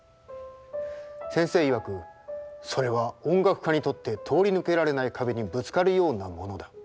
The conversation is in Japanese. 先生いわく「それは音楽家にとって通り抜けられない壁にぶつかるようなものだ」。